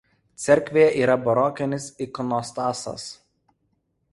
Cerkvėje yra barokinis ikonostasas.